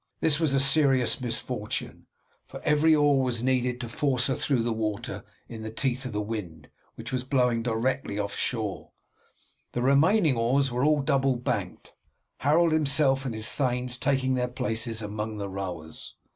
This was a serious misfortune, for every oar was needed to force her through the water in the teeth of the wind, which was blowing directly off shore. The remaining oars were all double banked, Harold himself and his thanes taking their places among the rowers.